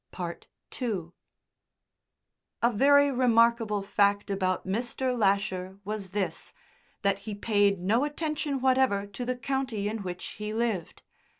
II A very remarkable fact about Mr. Lasher was this that he paid no attention whatever to the county in which he lived.